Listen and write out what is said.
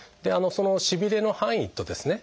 そのしびれの範囲とですね